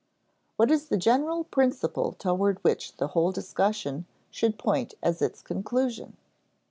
What is the general principle toward which the whole discussion should point as its conclusion?